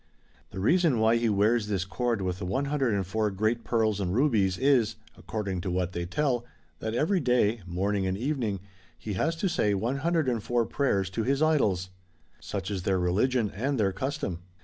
The reason why he wears this cord with the 104 great pearls and rubies, is (according to what they tell) that every day, morning and evening, he has to say 104 prayers to his idols. Such is their religion, and their custom.